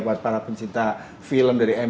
buat para pencinta film